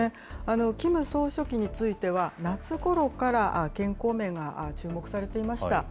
キム総書記については、夏ごろから健康面が注目されていました。